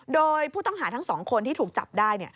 โดยผู้ต้องหาทั้ง๒คนที่ถูกจับได้